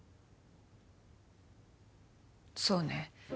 そうね。